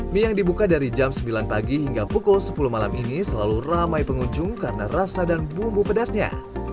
mie yang dibuka dari jam sembilan pagi hingga pukul sepuluh malam ini selalu ramai pengunjung karena rasa dan bumbu pedasnya